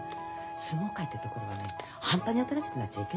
相撲界ってところはね半端に新しくなっちゃいけないのよ。